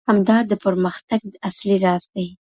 همدا د پرمختګ اصلي راز دی.